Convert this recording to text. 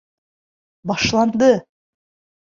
Башланды!